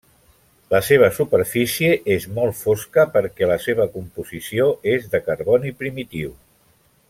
La seva superfície és molt fosca perquè la seva composició és de carboni primitiu.